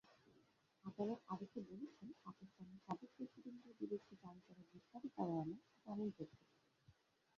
আদালত আদেশে বলেছেন, পাকিস্তানের সাবেক প্রেসিডেন্টের বিরুদ্ধে জারি করা গ্রেপ্তারি পরোয়ানা জামিনযোগ্য।